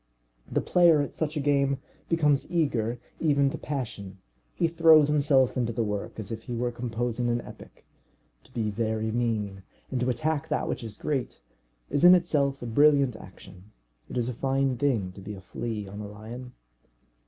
The player at such a game becomes eager, even to passion. He throws himself into the work as if he were composing an epic. To be very mean, and to attack that which is great, is in itself a brilliant action. It is a fine thing to be a flea on a lion.